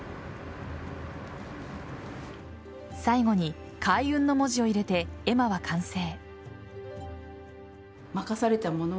最後に開運の文字を入れて絵馬は完成。